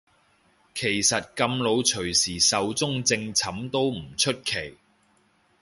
其實咁老隨時壽終正寢都唔出奇